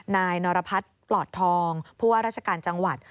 นายนรพัฒน์ปลอดทองผู้ว่าราชการจังหวัด